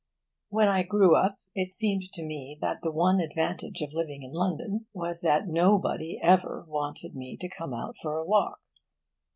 When I grew up it seemed to me that the one advantage of living in London was that nobody ever wanted me to come out for a walk.